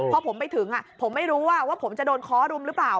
พอผมไปถึงผมไม่รู้ว่าผมจะโดนค้อรุมหรือเปล่า